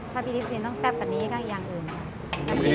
ถ้าพี่ทิศีนต้องแซ่บกันเลยกางยางอื่น